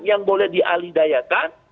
yang boleh dialihdayakan